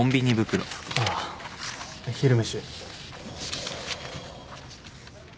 ああ昼飯。